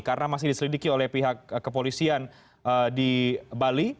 karena masih diselidiki oleh pihak kepolisian di bali